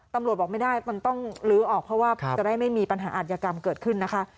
ตำรวจบอกไม่ได้มันต้องลื้อออกเพราะว่าจะได้ไม่มีปัญหาอาจยากรรมเกิดขึ้นนะคะ